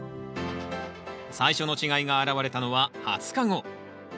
最初の違いが現れたのは２０日後。